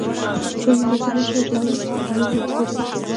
په ژوند مې نصیب نه شوې جنازې ته دې درځم.